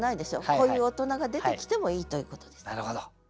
こういう大人が出てきてもいいということです。